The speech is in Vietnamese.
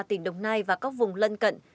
tỉnh đồng nai và các vùng lân cận